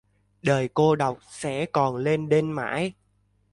Đời cô độc sẽ còn lênh đênh mãi